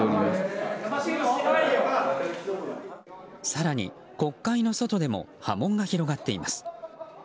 更に国会の外でも波紋が広がっています。